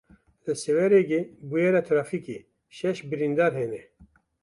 Li Sêwregê bûyera trafîkê, şeş birîndar hene.